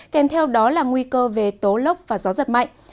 kèm theo đó là nguy cơ về tố lốc và gió giật mạnh